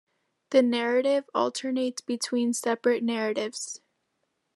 The narrative alternates between separate narratives.